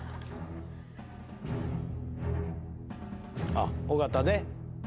「あっ尾形で」